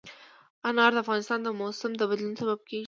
انار د افغانستان د موسم د بدلون سبب کېږي.